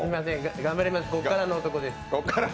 頑張ります、ここからの男です。